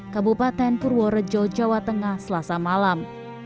kabupaten purworejo jawa tengah selasa malam